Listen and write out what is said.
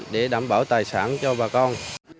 để đảm bảo tài sản cho bà con